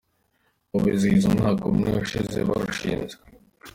Ubu bizihiza umwaka umwe ushize barushinze.